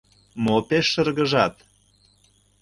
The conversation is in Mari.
— Мо пеш шыргыжат?